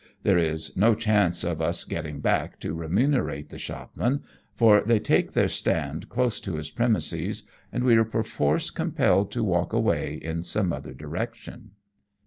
There is no chance of us ■ getting back to remunerate the shopman, for they take their stand close to his premises, and we are perforce compelled to walk away in some other direction.